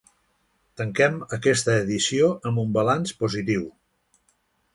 Tanquem aquesta edició amb un balanç positiu.